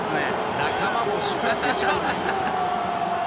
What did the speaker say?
仲間も祝福します。